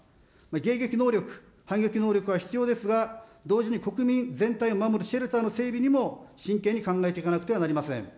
迎撃能力、反撃能力は必要ですが、同時に国民全体を守るシェルターの整備にも真剣に考えていかなくてはなりません。